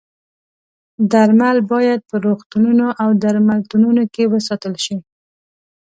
درمل باید په روغتونونو او درملتونونو کې وساتل شي.